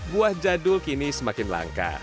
buah jadul kini semakin langka